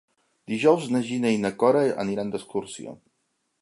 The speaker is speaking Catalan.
Dijous na Gina i na Cora aniran d'excursió.